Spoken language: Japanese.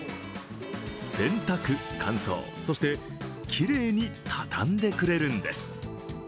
洗濯、乾燥、そしてきれいにたたんでくれるんです。